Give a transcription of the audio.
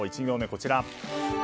１行目、こちら。